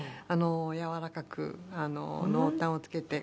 やわらかく濃淡をつけて。